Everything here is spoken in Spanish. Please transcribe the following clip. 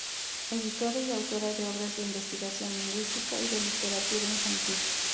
Editora y autora de obras de Investigación Lingüística y de Literatura Infantil.